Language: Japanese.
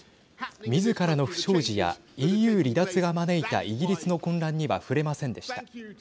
みずからの不祥事やＥＵ離脱が招いたイギリスの混乱には触れませんでした。